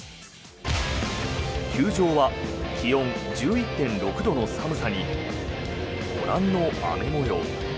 球場は気温１１．６度の寒さにご覧の雨模様。